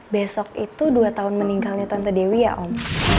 besok itu dua tahun meninggalnya tante dewi ya om